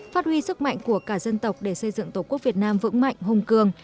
phát huy sức mạnh của cả dân tộc để xây dựng tổ quốc việt nam vững mạnh hùng cường